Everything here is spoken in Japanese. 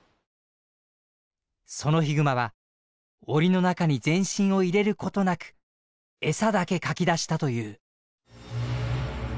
そのヒグマは檻の中に全身を入れることなく餌だけかき出したという。